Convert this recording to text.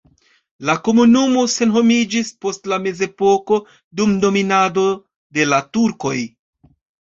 La komunumo senhomiĝis post la mezepoko dum dominado de la turkoj.